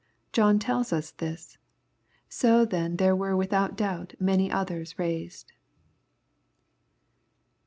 John tells us this. So then there were without doubt many others raised."